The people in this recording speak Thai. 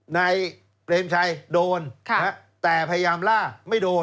เปรมชัยโดนแต่พยายามล่าไม่โดน